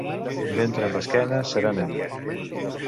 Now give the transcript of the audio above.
Ventre amb esquena, serà nena.